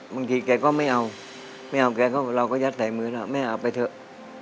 บางทีแกก็ไม่เอาไม่เอาแกเราก็ยัดใส่มือแล้วแม่เอาไปเถอะ